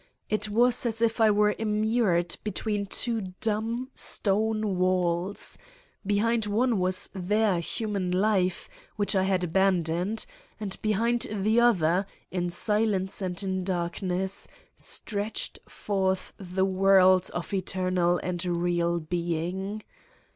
It was as if I were immured between two dumb, stone walls : behind one was their human life, which I had abandoned, and behind the other, in silence and in darkness, stretched forth the world of eter nal and real being.